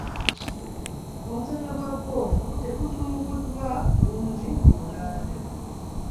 Omuzannyo gwa ggoofu tegutumbuddwa bulungi mu Uganda.